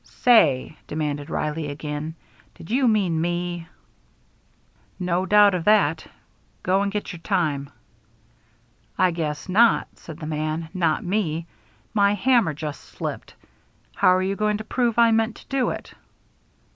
"Say," demanded Reilly again, "did ye mean me?" "No doubt of that. Go and get your time." "I guess not," said the man. "Not me. My hammer just slipped. How're you going to prove I meant to do it?"